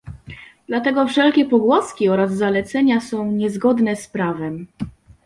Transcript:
Dlatego wszelkie pogłoski oraz zalecenia są niezgodne z prawem